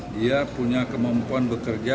dia punya kemampuan bekerja